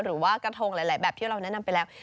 หรือว่ากระทงหลายแบบที่เราแนะนำไปแล้ว